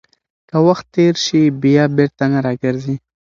که وخت تېر شي، بیا بیرته نه راګرځي.